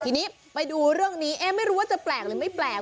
ทีนี้ไปดูเรื่องนี้ไม่รู้ว่าจะแปลกหรือไม่แปลก